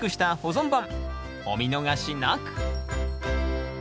お見逃しなく。